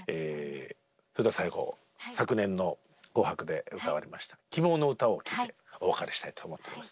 それでは最後昨年の「紅白」で歌われました「希望のうた」を聴いてお別れしたいと思っております。